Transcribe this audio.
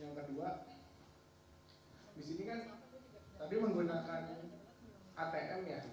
yang kedua disini kan tadi menggunakan atm ya